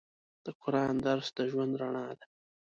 د قرآن درس د ژوند رڼا ده.